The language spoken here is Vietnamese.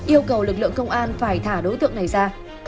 yêu cầu lực lượng công an phải thả đối tượng này ra